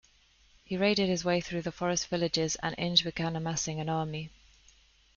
He raided his way through the forest villages, and Inge began amassing an army.